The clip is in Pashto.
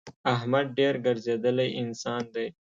احمد ډېر ګرځېدلی انسان دی.